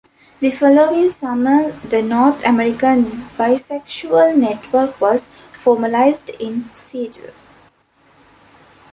The following summer the North American Bisexual Network was formalized in Seattle.